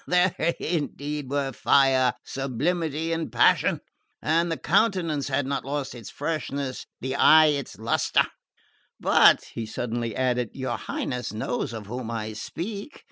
There indeed were fire, sublimity and passion! And the countenance had not lost its freshness, the eye its lustre. But," he suddenly added, "your Highness knows of whom I speak.